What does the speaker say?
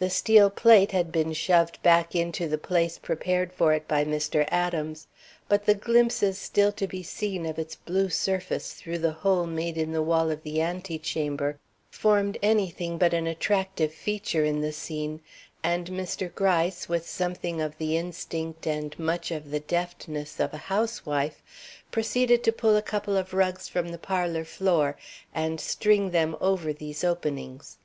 The steel plate had been shoved back into the place prepared for it by Mr. Adams, but the glimpses still to be seen of its blue surface through the hole made in the wall of the antechamber formed anything but an attractive feature in the scene, and Mr. Gryce, with something of the instinct and much of the deftness of a housewife, proceeded to pull up a couple of rugs from the parlor floor and string them over these openings.